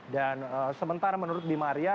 dan sementara menurut abimah arya